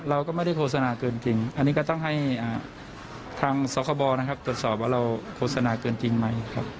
เราก็ไม่ได้โฆษณาเกินจริงอันนี้ก็ต้องให้ทางสคบนะครับตรวจสอบว่าเราโฆษณาเกินจริงไหมครับ